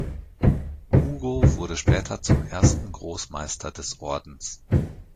Hugo wurde später zum ersten Großmeister des Ordens.